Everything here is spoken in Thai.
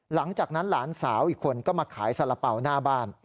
หลังจากนั้นหลานสาวอีกคนก็มาขายสาระเป๋าหน้าบ้าน